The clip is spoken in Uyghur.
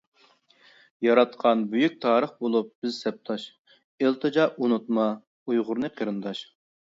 ياراتقان بۈيۈك تارىخ بولۇپ بىز سەپداش، ئىلتىجا ئۇنتۇما، ئۇيغۇرنى قېرىنداش!